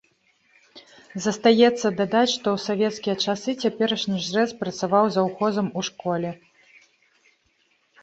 Застаецца дадаць, што ў савецкія часы цяперашні жрэц працаваў заўхозам у школе.